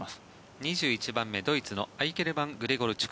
２１番目ドイツのアイケルマン・グレゴルチュク。